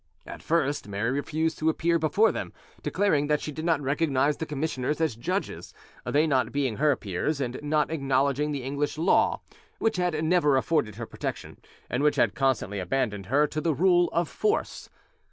At first Mary refused to appear before them, declaring that she did not recognise the commissioners as judges, they not being her peers, and not acknowledging the English law, which had never afforded her protection, and which had constantly abandoned her to the rule of force.